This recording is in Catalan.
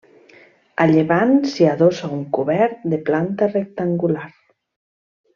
A llevant s'hi adossa un cobert de planta rectangular.